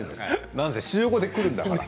なんせ週５で来るんだから。